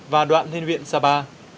và đoạn lên viện sapa